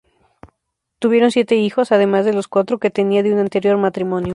Tuvieron siete hijos además de los cuatro que tenía de un anterior matrimonio.